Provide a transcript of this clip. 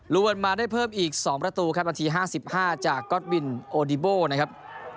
วนมาได้เพิ่มอีก๒ประตูครับนาที๕๕จากก๊อตบินโอดิโบนะครับ